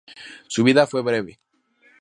Su vida fue breve.